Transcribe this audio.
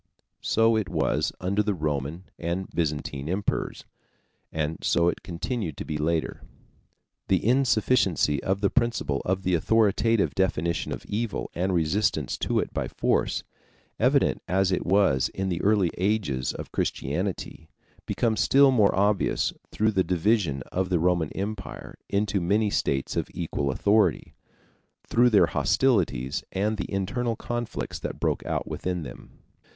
So it was under the Roman and Byzantine emperors, and so it continued to be later. The insufficiency of the principle of the authoritative definition of evil and resistance to it by force, evident as it was in the early ages of Christianity, becomes still more obvious through the division of the Roman Empire into many states of equal authority, through their hostilities and the internal conflicts that broke out within them.